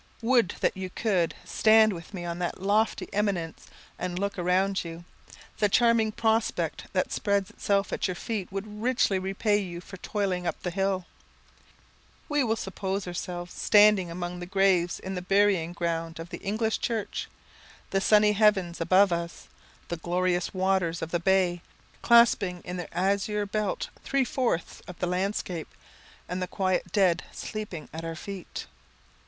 Would that you could stand with me on that lofty eminence and look around you! The charming prospect that spreads itself at your feet would richly repay you for toiling up the hill. We will suppose ourselves standing among the graves in the burying ground of the English church; the sunny heavens above us, the glorious waters of the bay, clasping in their azure belt three fourths of the landscape, and the quiet dead sleeping at our feet.